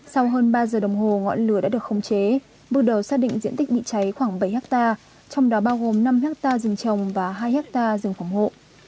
sau hơn ba giờ đồng hồ ngọn lửa đã được khống chế bước đầu xác định diện tích bị cháy khoảng bảy hectare trong đó bao gồm năm hectare rừng trồng và hai hectare rừng phòng hộ